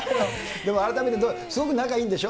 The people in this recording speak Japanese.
でも改めてすごく仲いいんでしょ？